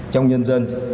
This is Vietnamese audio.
trong nhân dân